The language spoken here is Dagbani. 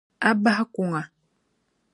A bahi kuŋa.